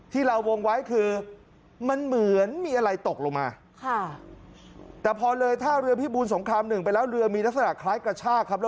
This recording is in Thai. ที่เราวงไว้คือมันเหมือนมีอะไรตกลงมา